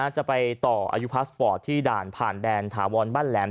จะไปต่ออายุพาสปอร์ตที่ด่านผ่านแดนถาวรบ้านแหลม